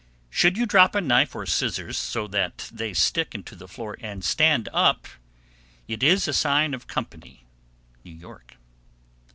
_ 757. Should you drop a knife or scissors so that they stick into the floor and stand up, it is a sign of company. _New York.